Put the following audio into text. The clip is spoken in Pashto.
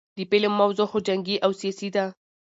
د فلم موضوع خو جنګي او سياسي ده